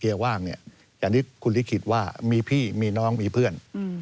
อย่างที่คุณลิศคิดว่ามีพี่มีน้องมีเพื่อน